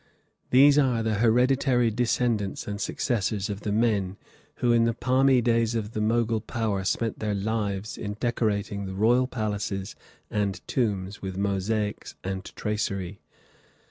These are the hereditary descendants and successors of the men who in the palmy days of the Mogul power spent their lives in decorating the royal palaces and tombs with mosaics and tracery.